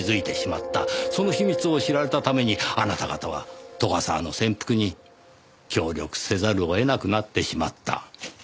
その秘密を知られたためにあなた方は斗ヶ沢の潜伏に協力せざるを得なくなってしまった。